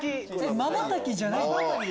「まばたき」じゃないんだ。